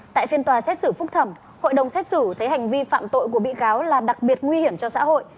tại phiên tòa xét xử phúc thẩm hội đồng xét xử thấy hành vi phạm tội của bị cáo là đặc biệt nguy hiểm cho xã hội